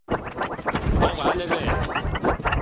Логале вет!